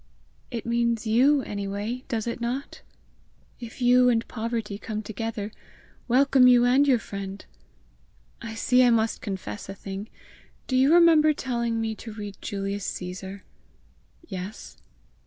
"It means YOU any way, does it not? If you and poverty come together, welcome you and your friend! I see I must confess a thing! Do you remember telling me to read Julius Caesar?" "Yes."